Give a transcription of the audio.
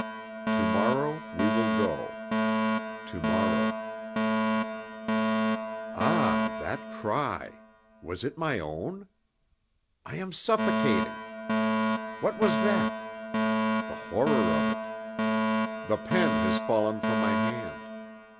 To morrow we will go. To morrow Ah, that cry! Was it my own? I am suffocating! What was that? The horror of it! The pen has fallen from my hand.